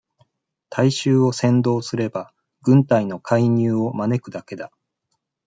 大衆を扇動すれば、軍隊の介入を招くだけだ。